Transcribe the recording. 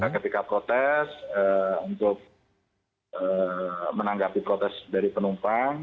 ketika protes untuk menanggapi protes dari penumpang